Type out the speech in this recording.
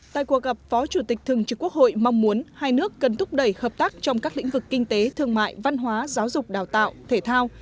tại cuộc gặp phó chủ tịch thường trực quốc hội mong muốn hai nước cần thúc đẩy hợp tác trong các lĩnh vực kinh tế thương mại văn hóa giáo dục đào tạo thể thao